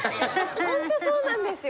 ほんとそうなんですよ。